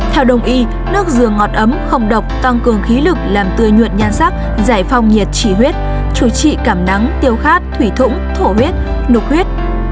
theo đồng ý nước dừa ngọt ấm không độc tăng cường khí lực làm tươi nhuận nhan sắc giải phong nhiệt trí huyết chữa trị cảm nắng tiêu khát thủy thủng thổ huyết nục huyết